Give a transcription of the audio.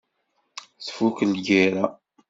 Tfukk lgira.